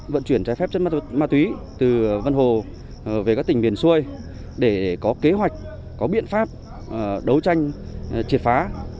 vận chuyển trái phép chất ma túy từ vân hồ về các tỉnh biển xuôi để có kế hoạch có biện pháp đấu tranh triệt phá